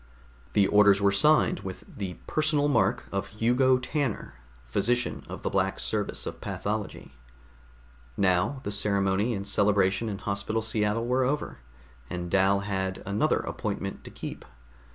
The orders were signed with the personal mark of Hugo Tanner, Physician of the Black Service of Pathology. Now the ceremony and celebration in Hospital Seattle were over, and Dal had another appointment to keep.